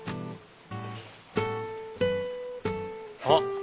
あっ！